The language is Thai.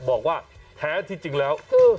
บอกว่าแท้ที่จริงแล้ว